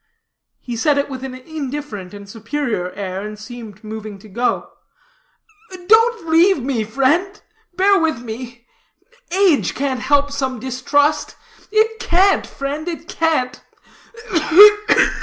He said it with an indifferent and superior air, and seemed moving to go. "Don't, don't leave me, friend; bear with me; age can't help some distrust; it can't, friend, it can't.